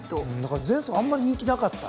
前走あんまり人気なかった。